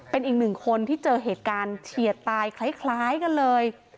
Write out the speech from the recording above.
เป็นอีกหนึ่งคนที่เจอเหตุการณ์เฉียดตายคล้ายกันเลย